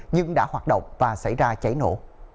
nhưng đã hoạt động và xảy ra cháy nổ